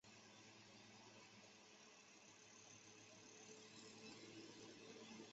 波叶新木姜子为樟科新木姜子属下的一个种。